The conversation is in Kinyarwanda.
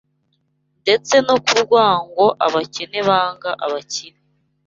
ndetse no ku rwango abakene banga abakire